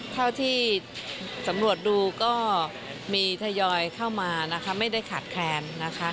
เท่าที่สำรวจดูก็มีทยอยเข้ามานะคะไม่ได้ขาดแคลนนะคะ